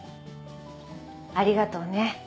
ありがとうね。